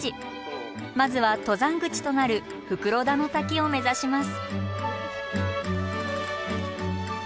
まずは登山口となる袋田の滝を目指します。